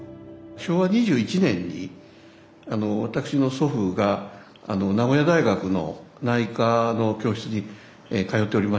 昭和２１年に私の祖父が名古屋大学の内科の教室に通っておりまして。